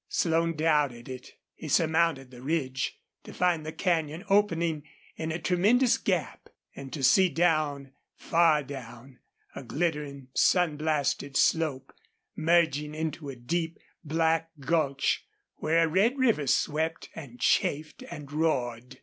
Slone doubted it. He surmounted the ridge, to find the canyon opening in a tremendous gap, and to see down, far down, a glittering, sun blasted slope merging into a deep, black gulch where a red river swept and chafed and roared.